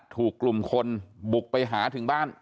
ถูกกลุ่มคนบุกไปหาถึงบ้าน